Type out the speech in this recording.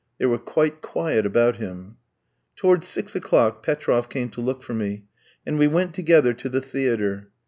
They were quite quiet about him. Towards six o'clock Petroff came to look for me, and we went together to the theatre.